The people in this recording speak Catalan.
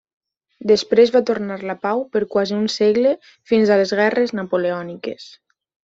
Després va tornar la pau per quasi un segle fins a les guerres napoleòniques.